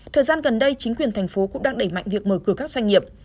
thời gian gần đây chính quyền thành phố cũng đang đẩy mạnh việc mở cửa các doanh nghiệp